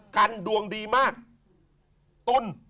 กันดวงดีมากตุ้น